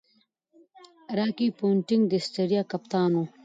راكي پونټنګ د اسټرالیا کپتان وو.